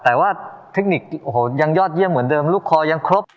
แต่ว่าเทคนิคโอ้โหยังยอดเยี่ยมเหมือนเดิมลูกคอยังครบ